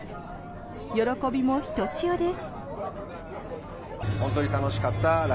喜びもひとしおです。